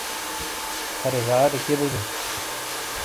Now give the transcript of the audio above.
کَھرے ژادے کئیے بوجَوں؟